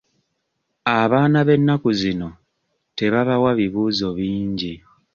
Abaana b'ennaku zino tebabawa bibuuzo bingi.